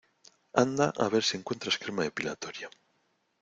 anda, a ver si encuentras crema depilatoria.